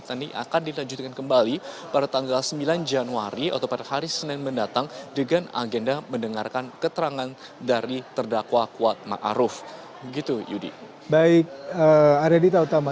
dan ini akan dilanjutkan kembali pada tanggal sembilan januari atau pada hari senin mendatang dengan agenda mendengarkan keterangan dari terdakwa kuatma